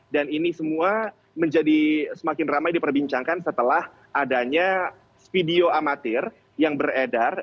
dan ini semua menjadi semakin ramai diperbincangkan setelah adanya video amatir yang beredar